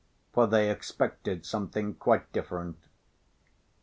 For they expected something quite different.